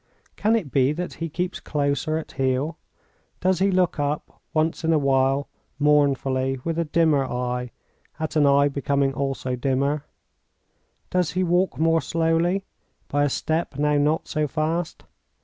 Can it be that he keeps closer at heel? Does he look up once in a while, mournfully, with a dimmer eye, at an eye becoming also dimmer does he walk more slowly, by a step now not so fast?